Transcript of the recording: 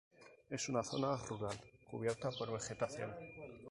Es una zona "rural" cubierta por vegetación.